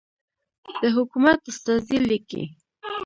د حکومت استازی لیکي.